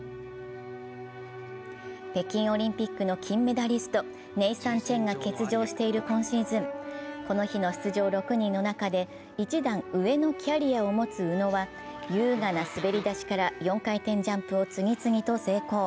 北京オリンピックの金メダリスト、ネイサン・チェンが欠場している今シーズン、この日の出場６人の中で一段上のキャリアを持つ宇野は優雅な滑り出しから４回転ジャンプを次々と成功。